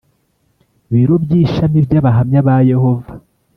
biro by ishami by Abahamya ba Yehova